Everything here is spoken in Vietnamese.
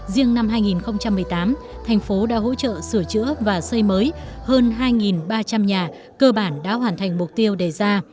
riêng năm hai nghìn một mươi tám thành phố đã hỗ trợ sửa chữa và xây mới hơn hai ba trăm linh nhà cơ bản đã hoàn thành mục tiêu đề ra